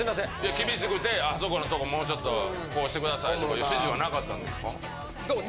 厳しくてあそこのとこもうちょっとこうしてくださいとかいう指示はなかったんですか？